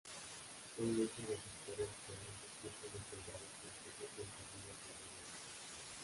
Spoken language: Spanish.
Son muchas las historias que aún se escuchan de soldados franceses enterrados en bodegas.